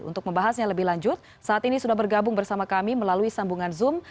untuk membahasnya lebih lanjut saat ini sudah bergabung bersama kami melalui sambungan zoom